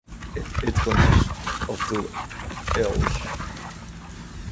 It consists of two ailes.